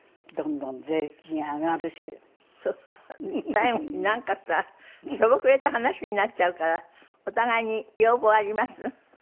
最後になんかさしょぼくれた話になっちゃうからお互いに要望あります？